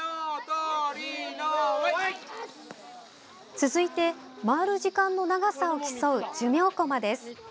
続いて、回る時間の長さを競う寿命こまです。